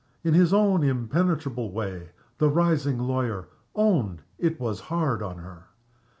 in his own impenetrable way, the rising lawyer owned it was hard on her.